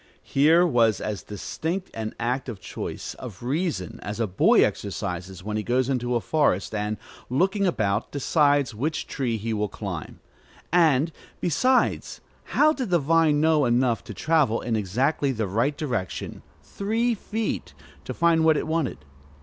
Here was as distinct an act of choice, of reason, as a boy exercises when he goes into a forest, and, looking about, decides which tree he will climb. And, besides, how did the vine know enough to travel in exactly the right direction, three feet, to find what it wanted?